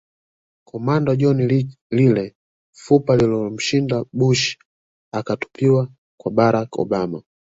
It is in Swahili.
Commando John Lile fupa lililomshinda Bush akalitupia kwa Barack Obama